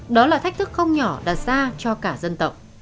đó là thách thức không nhỏ đặt ra cho cả dân tộc